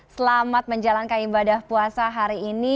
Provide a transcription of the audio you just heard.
selamat menjalankan ibadah puasa hari ini